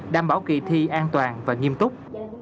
đảm bảo kỳ thi an toàn và nghiêm túc